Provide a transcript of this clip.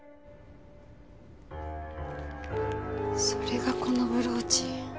それがこのブローチ。